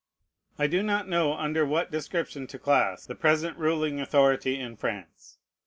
I do not know under what description to class the present ruling authority in France.